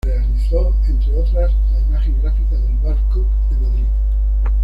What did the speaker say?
Realizó, entre otras, la imagen gráfica del Bar Cock de Madrid.